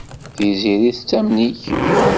Tiziri tettamen-ik.